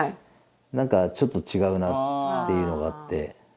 なんか、ちょっと違うなっていうのがあって。